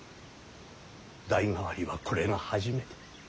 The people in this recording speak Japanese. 代替わりはこれが初めて。